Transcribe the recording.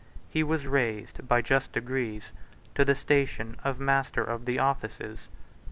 He was raised, by just degrees, to the station of master of the offices.